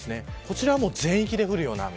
こちらは全域で降るような雨。